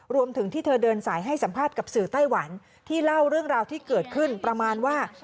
รวมถึงที่เธอเดินสายให้สัมภาษณ์กับสื่อไต้หวันที่เล่าเรื่องราวที่เกิดขึ้นประมาณว่า